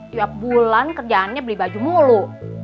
tiap bulan kerjaannya beli baju mulu